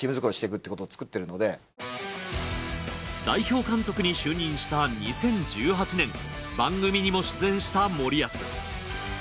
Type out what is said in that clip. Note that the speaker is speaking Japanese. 代表監督に就任した２０１８年番組にも出演した森保。